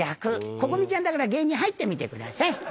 ココミちゃんだから芸人入ってみてください。